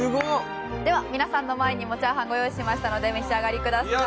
では皆さんの前にも炒飯ご用意しましたので召し上がりください。